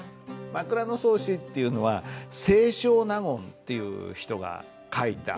「枕草子」っていうのは清少納言という人が書いた。